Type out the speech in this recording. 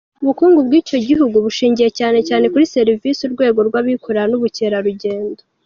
Ubukungu bw’icyo gihugu bushingiye cyane cyane kuri serivisi, urwego rw’abikorera n’ubukerarugendo.